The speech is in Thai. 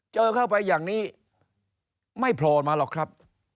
เจอเข้าไปอย่างนี้ไม่โผล่มาหรอกครับ